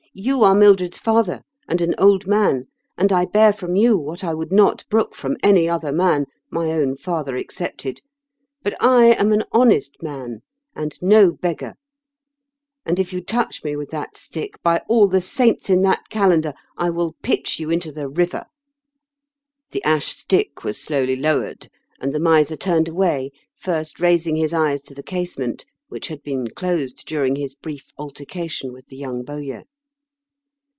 "You are Mildred's father, and an old man, and I bear from you what I would not brook from any other man, my own father excepted; but I am a honest man, and no beggar, and, if you touch me with that stick, by all the saints in the calendar, I will pitch you into the river." The ash stick was slowly lowered, and the miser turned away, first raising his eyes to the casement, which had been closed during his brief altercation with the young bowyer.